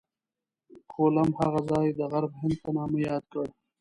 کولمب هغه ځای د غرب هند په نامه یاد کړ.